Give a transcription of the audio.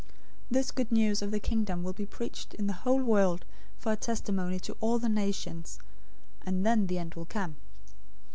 024:014 This Good News of the Kingdom will be preached in the whole world for a testimony to all the nations, and then the end will come.